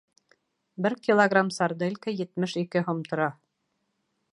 Бер килограмм сарделька етмеш ике һум тора.